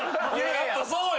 やっぱそうや。